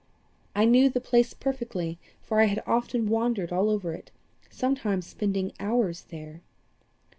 I knew the place perfectly, for I had often wandered all over it, sometimes spending hours there.